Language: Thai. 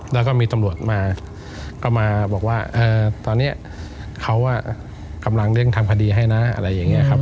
แล้วก็มีตำรวจมาก็มาบอกว่าตอนนี้เขากำลังเร่งทำคดีให้นะอะไรอย่างนี้ครับ